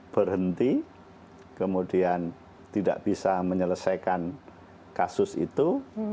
berhenti kemudian tidak bisa menyelesaikan kasus itu